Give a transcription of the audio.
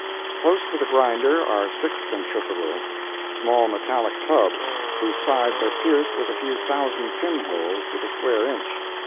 Close to the grinder are six centrifugals—small metallic tubs, whose sides are pierced with a few thousand pin holes to the square inch.